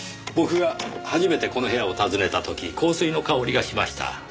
僕が初めてこの部屋を訪ねた時香水の香りがしました。